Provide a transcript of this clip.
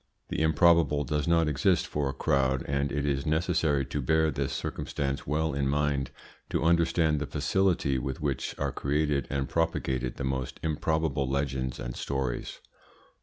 The improbable does not exist for a crowd, and it is necessary to bear this circumstance well in mind to understand the facility with which are created and propagated the most improbable legends and stories.